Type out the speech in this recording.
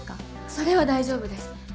それは大丈夫です。